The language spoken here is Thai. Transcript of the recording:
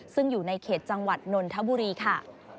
ซึ่งอยู่ในเขตจังหวัดนนทบุรีค่ะ